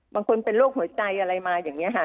มันเป็นโรคหัวใจอะไรมาอย่างนี้ค่ะ